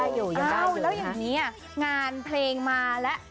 แล้วอย่างนี้งานเพลงมาแล้ว